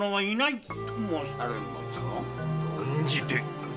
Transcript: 断じて。